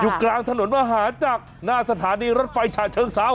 กลางถนนมหาจักรหน้าสถานีรถไฟฉาเชิงเซา